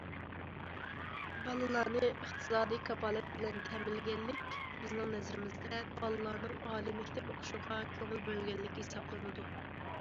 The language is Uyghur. بالىلارنى ئىقتىسادىي كاپالەت بىلەن تەمىنلىگەنلىك بىزنىڭ نەزىرىمىزدە بالىلارنىڭ ئالىي مەكتەپ ئوقۇشىغا كۆڭۈل بۆلگەنلىك ھېسابلىنىدۇ.